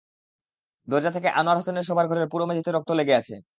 দরজা থেকে আনোয়ার হোসেনের শোবার ঘরের পুরো মেঝেতে রক্ত লেগে আছে।